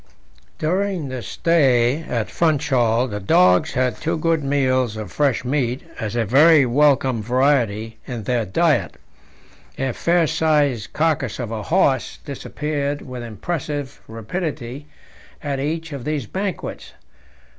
During the stay at Funchal the dogs had two good meals of fresh meat as a very welcome variety in their diet; a fair sized carcass of a horse disappeared with impressive rapidity at each of these banquets.